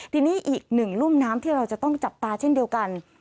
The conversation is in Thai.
ทีนี้อีกหนึ่งรุ่มน้ำที่เราจะต้องจับตาเช่นเดียวกัน